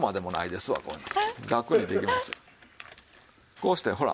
こうしてほら。